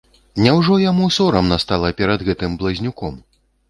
Няўжо яму сорамна стала перад гэтым блазнюком?